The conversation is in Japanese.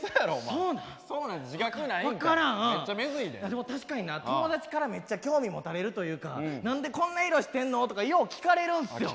でも確かにな友達からめっちゃ興味持たれるというか何でこんな色してんのとかよう聞かれるんすよ。